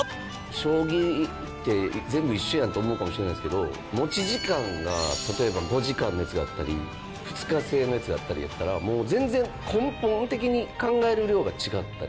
将棋って、全部一緒やんと思うかもしれないですけど持ち時間が、例えば５時間のやつがあったり２日制のやつやったらもう全然、根本的に考える量が違ったり。